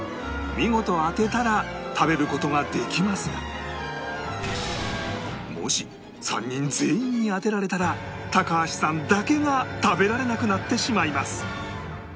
見事当てたら食べる事ができますがもし３人全員に当てられたら高橋さんだけが食べられなくなってしまいます